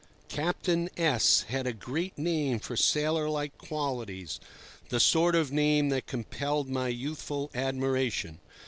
Captain S— had a great name for sailor like qualities—the sort of name that compelled my youthful admiration.